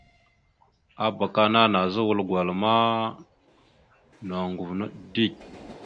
Abak ana nazza wal gwala ma noŋgov naɗ dik.